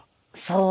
そう。